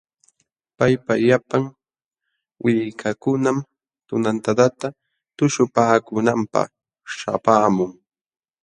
Paypa llapan willkankunam tunantadata tuśhupaakunanpaq śhapaamun.